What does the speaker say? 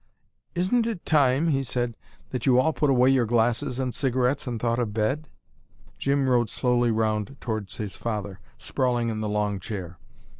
"Isn't it time," he said, "that you all put away your glasses and cigarettes and thought of bed?" Jim rolled slowly round towards his father, sprawling in the long chair.